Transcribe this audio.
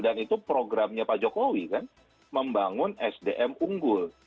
dan itu programnya pak jokowi kan membangun sdm unggul